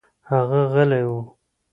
هغه غلى و.